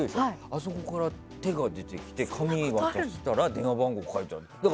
あそこから手が出てきて紙を渡されたら電話番号が書いてあったり。